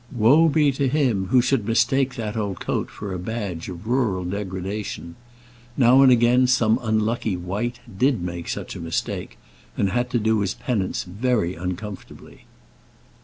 Woe be to him who should mistake that old coat for a badge of rural degradation! Now and again some unlucky wight did make such a mistake, and had to do his penance very uncomfortably.